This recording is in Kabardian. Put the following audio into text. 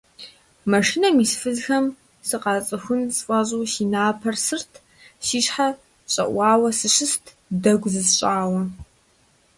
Машинэм ис фызхэм сыкъацӀыхун сфӀэщӀу си напэр сырт, си щхьэр щӀэӀуауэ сыщыст, дэгу зысщӀауэ.